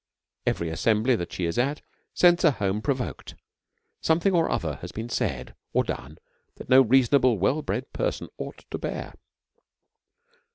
Every assembly that she is at sends her home provoked; something or other has been said or done that no reasonable well bred person ought to bear.